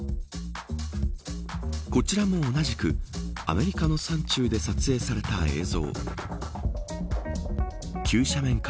こちらも同じくアメリカの山中で撮影された映像。